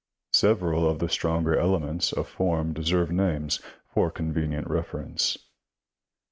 Several of the stronger elements of form deserve names, for convenient reference.